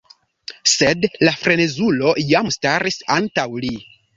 Sed la frenezulo jam staris antaŭ li.